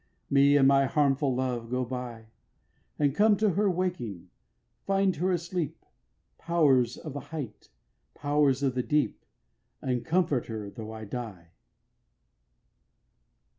Me and my harmful love, go by; But come to her waking, find her asleep, Powers of the height. Powers of the deep, And comfort her tho' I die.